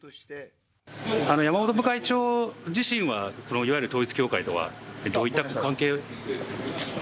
山本部会長自身はそのいわゆる統一教会とは、どういった関係？